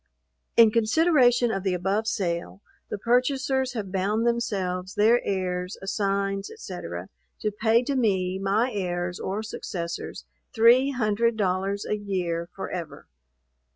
In consideration of the above sale, the purchasers have bound themselves, their heirs, assigns, &c. to pay to me, my heirs or successors, three hundred dollars a year forever.